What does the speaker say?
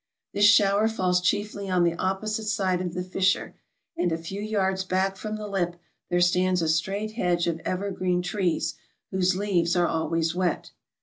This shower falls chiefly on the opposite side of the fissure, and a few yards back from the lip there stands a straight hedge of evergreen trees, whose leaves are always wet.